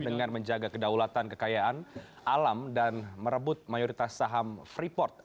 dengan menjaga kedaulatan kekayaan alam dan merebut mayoritas saham freeport